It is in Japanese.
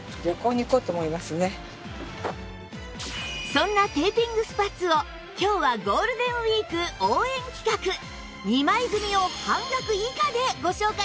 そんなテーピングスパッツを今日はゴールデンウィーク応援企画２枚組を半額以下でご紹介します！